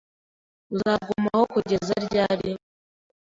Uzagumaho kugeza ryari?